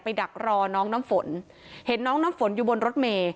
ดักรอน้องน้ำฝนเห็นน้องน้ำฝนอยู่บนรถเมย์